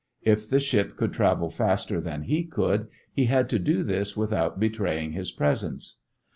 If the ship could travel faster than he could, he had to do this without betraying his presence.